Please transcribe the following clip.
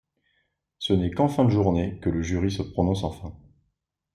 Ce n'est qu'en fin de journée que le jury se prononce enfin.